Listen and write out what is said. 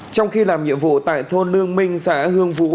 trong khi làm nhiệm vụ tại thôn lương minh xã hương vũ